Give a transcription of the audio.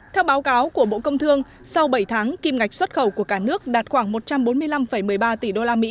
theo báo cáo của bộ công thương sau bảy tháng kim ngạch xuất khẩu của cả nước đạt khoảng một trăm bốn mươi năm một mươi ba tỷ usd